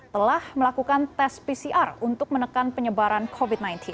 telah melakukan tes pcr untuk menekan penyebaran covid sembilan belas